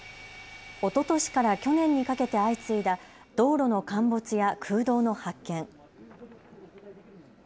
おととしから去年にかけて相次いだ道路の陥没や空洞の発見。